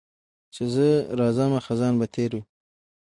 چي زه راځمه خزان به تېر وي